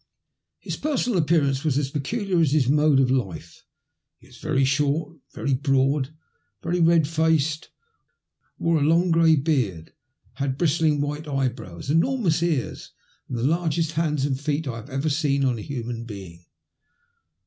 His personal appearance was as peculiar as his mode of life. He was very short, very broad, very red faced, wore a long grey beard, had bristling, white eye brows, enormous ears, and the largest hands and feet I have ever seen on a human being.